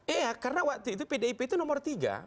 iya karena waktu itu pdip itu nomor tiga